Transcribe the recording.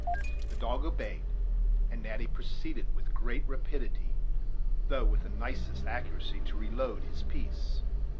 The dog obeyed, and Natty proceeded with great rapidity, though with the nicest accuracy, to reload his piece.